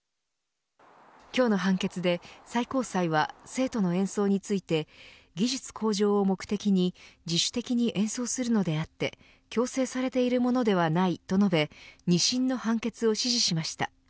今日の判決で、最高裁は生徒の演奏について技術向上を目的に自主的に演奏するのであって強制されているものではないと述べ二審の判決を支持しました。